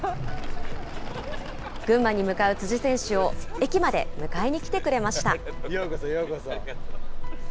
群馬に向かう辻選手を、駅まで迎えに来てくれました。